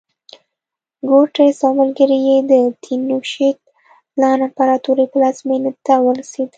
کورټز او ملګري یې د تینوشیت لان امپراتورۍ پلازمېنې ته ورسېدل.